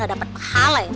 ntar dapat pahale